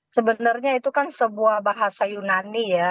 sebenarnya itu kan sebuah bahasa yunani ya